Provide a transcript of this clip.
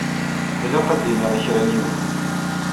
Ilaq ad iniɣ i kra n yiwen.